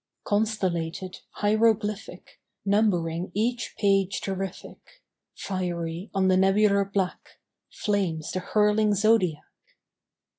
Constellated, hieroglyphic, Numbering each page terrific, Fiery on the nebular black, Flames the hurling zodiac.